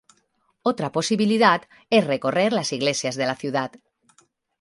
Otra posibilidad es recorrer las iglesias de la ciudad.